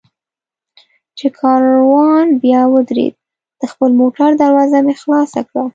چې کاروان بیا ودرېد، د خپل موټر دروازه مې خلاصه کړه.